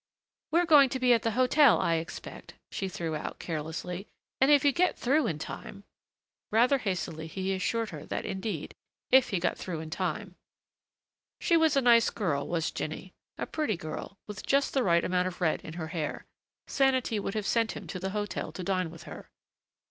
"We're going to be at the hotel, I expect," she threw out, carelessly, "and if you get through in time " Rather hastily he assured her that indeed, if he got through in time She was a nice girl, was Jinny. A pretty girl, with just the right amount of red in her hair. Sanity would have sent him to the hotel to dine with her.